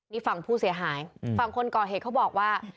นี่ฝั่งผู้เสียหายฝั่งคนก่อเหตุเขาบอกว่า